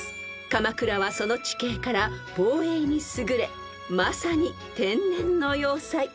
［鎌倉はその地形から防衛に優れまさに天然の要塞］